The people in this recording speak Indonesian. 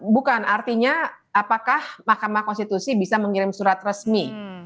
bukan artinya apakah mahkamah konstitusi bisa mengirim surat resmi